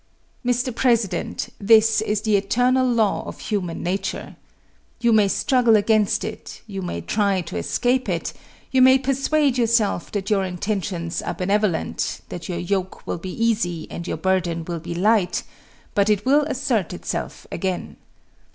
Mr. President, this is the eternal law of human nature. You may struggle against it, you may try to escape it, you may persuade yourself that your intentions are benevolent, that your yoke will be easy and your burden will be light, but it will assert itself again.